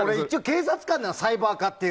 警察官なのサイバー課っていう。